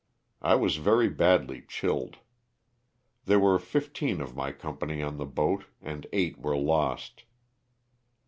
I was very badly chilled. There were fifteen of my company on the boat and eight were lost.